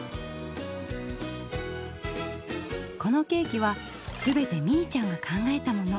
このケーキは全てみいちゃんが考えたもの。